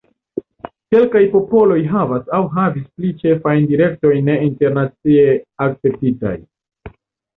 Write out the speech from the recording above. Kelkaj popoloj havas aŭ havis pli ĉefajn direktojn ne internacia akceptitaj.